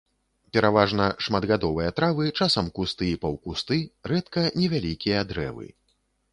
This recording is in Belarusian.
Пераважна шматгадовыя травы, часам кусты і паўкусты, рэдка невялікія дрэвы.